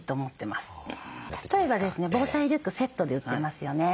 例えばですね防災リュックセットで売ってますよね。